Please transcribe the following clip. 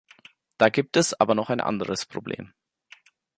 Da gibt es aber noch ein anderes Problem.